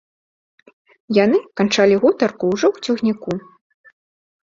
Яны канчалі гутарку ўжо ў цягніку.